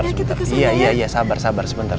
sebentar sebentar iya iya iya sabar sabar sebentar